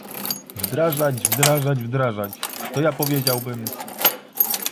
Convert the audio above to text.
wdrażać, wdrażać, wdrażać, to ja powiedziałabym